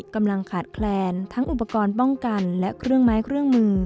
กำลังขาดแคลนทั้งอุปกรณ์ป้องกันและเครื่องไม้เครื่องมือ